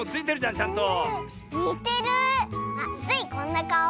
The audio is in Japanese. あっスイこんなかお？